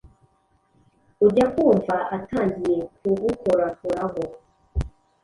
ujya kumva atangiye kugukorakoraho